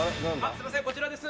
すいませんこちらです